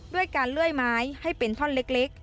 ด้วยการเลื่อยไม้ให้เป็นท่อนเล็ก